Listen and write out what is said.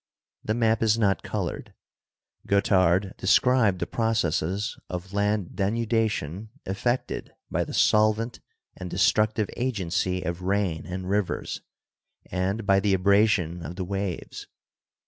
The map is not colored. Guettard described the processes of land de nudation effected by the solvent and destructive agency of rain and rivers and by the abrasion of the waves.